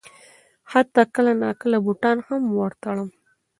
حتی کله ناکله بوټان هم ور تړم.